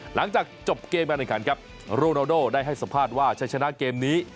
หลังจากจบเกมการแข่งขันครับโรนาโดได้ให้สัมภาษณ์ว่าใช้ชนะเกมนี้